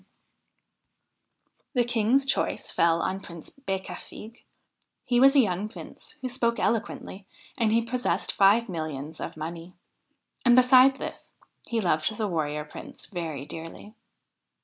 50 THE HIND OF THE WOOD The King's choice fell on Prince Becafigue ; he was a young Prince who spoke eloquently, and he possessed five millions of money. And, beside this, he loved the Warrior Prince very dearly.